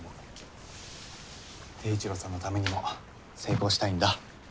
貞一郎さんのためにも成功したいんだ。